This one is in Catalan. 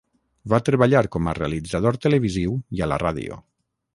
Va treballar com a realitzador televisiu i a la ràdio.